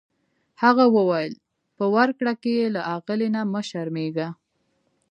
هغه وویل په ورکړه کې یې له اغلې نه مه شرمیږه.